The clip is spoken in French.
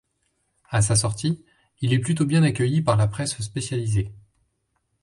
A sa sortie, il est plutôt bien accueilli par la presse spécialisée.